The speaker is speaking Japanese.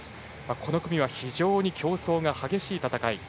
この組は非常に競争が激しい戦い。